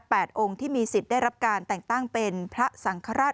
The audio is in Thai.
องค์ที่มีสิทธิ์ได้รับการแต่งตั้งเป็นพระสังฆราช